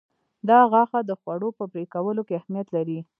دا غاښه د خوړو په پرې کولو کې اهمیت لري.